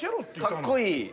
かっこいい。